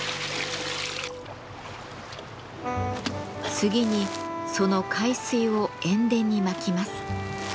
次にその海水を塩田にまきます。